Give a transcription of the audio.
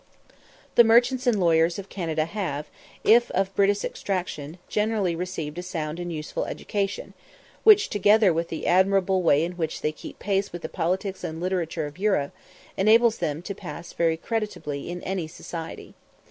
The merchants and lawyers of Canada have, if of British extraction, generally received a sound and useful education, which, together with the admirable way in which they keep pace with the politics and literature of Europe, enables them to pass very creditably in any society.